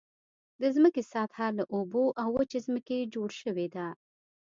د ځمکې سطحه له اوبو او وچې ځمکې جوړ شوې ده.